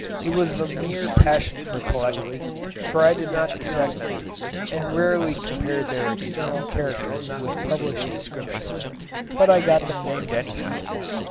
It was the mere passion for collecting, for I did not dissect them, and rarely compared their external characters with published descriptions, but got them named anyhow.